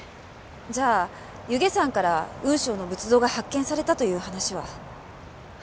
じゃあ弓削山から雲尚の仏像が発見されたという話は？